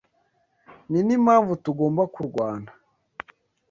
Ninimpamvu tugomba kurwana.